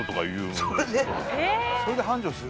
それで繁盛する？